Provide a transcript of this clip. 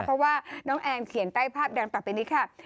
เพราะว่าน้องแอนเขียนใต้ภาพดังต่อไปนี้ค่ะ